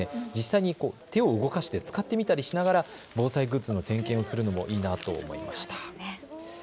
実際に手を動かしてみたり使ってみたりしながら防災グッズの点検をするのもいいなと思いました。